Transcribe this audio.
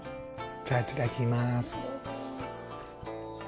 じゃあいただきます。